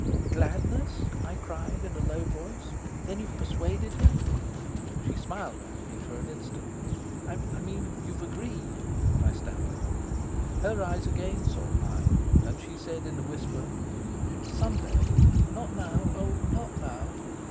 "Gladness?" I cried in a low voice. "Then you've persuaded him?" She smiled at me for an instant. "I mean, you've agreed?" I stammered. Her eyes again sought mine, and she said in a whisper: "Some day, not now. Oh, not now.